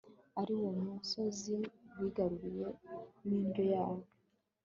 ari wo musozi wigaruriwe n'indyo yayo